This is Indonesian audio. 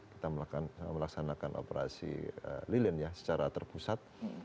kita melaksanakan operasi lilin ya secara terpusat